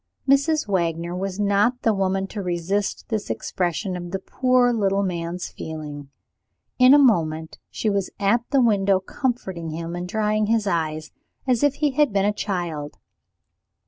Mrs. Wagner was not the woman to resist this expression of the poor little man's feeling. In a moment she was at the window comforting him and drying his eyes, as if he had been a child.